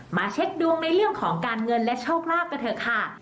เช็คดวงในเรื่องของการเงินและโชคลาภกันเถอะค่ะ